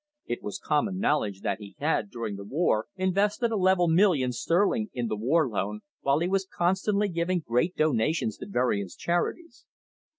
It was common knowledge that he had, during the war, invested a level million sterling in the War Loan, while he was constantly giving great donations to various charities.